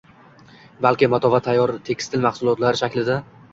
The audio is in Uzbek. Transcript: balki mato va tayyor tekstil mahsulotlari shaklida